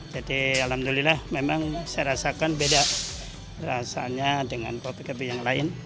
jadi alhamdulillah memang saya rasakan beda rasanya dengan kopi kopi yang lain